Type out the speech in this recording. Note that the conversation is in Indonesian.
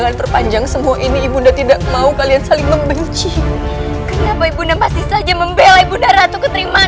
apa yang dilakukan ibu enggak ratukan terima